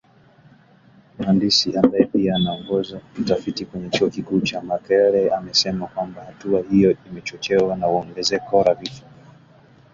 Mhandisi ambaye pia anaongoza utafiti kwenye chuo kikuu cha Makerere amesema kwamba hatua hiyo imechochewa na ongezeko la vifo